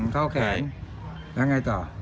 เข้าแขนแล้วไงต่อ